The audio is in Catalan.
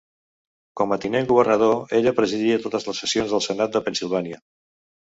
Com a tinent governador, ella presidia totes les sessions del Senat de Pennsilvània.